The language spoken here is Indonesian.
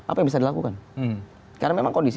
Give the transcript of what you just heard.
apa yang bisa dilakukan karena memang kondisi